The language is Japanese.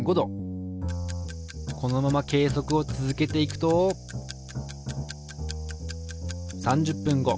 このまま計測を続けていくと３０分後。